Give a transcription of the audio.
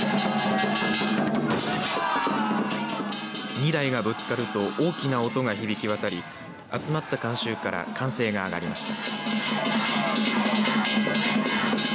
２台がぶつかると大きな音が響き渡り集まった観衆から歓声が上がりました。